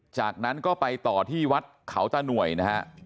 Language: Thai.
จากนั้นก็ไปต่อที่วัดเขาตะหน่วยนะฮะ